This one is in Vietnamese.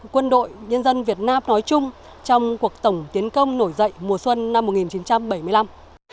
quân đội nhân dân việt nam nói chung trong cuộc tổng tiến công nổi dậy mùa xuân năm một nghìn chín trăm bảy mươi năm